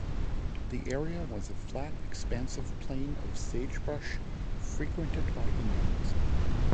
The area was a flat, expansive plain of sagebrush frequented by Indians.